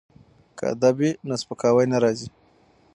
که ادب وي نو سپکاوی نه راځي.